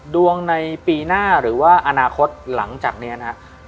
ดวงในปีหน้าหรือว่าอนาคตหลังจากนี้นะครับ